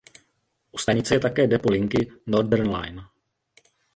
U stanice je také depo linky Northern Line.